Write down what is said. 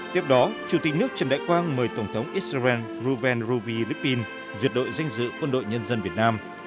tiếp đó chủ tịch nước trần đại quang mời tổng thống israel reuven ruvi riplin việt đội danh dự quân đội nhân dân việt nam